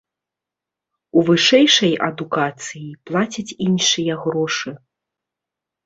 У вышэйшай адукацыі плацяць іншыя грошы.